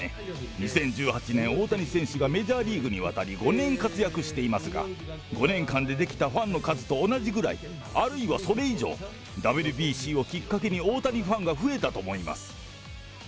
２０１８年、大谷選手がメジャーリーグにわたり５年活躍していますが、５年間で出来たファンの数と同じくらい、あるいはそれ以上、ＷＢＣをきっかけに、大谷ファンが増えたと思います。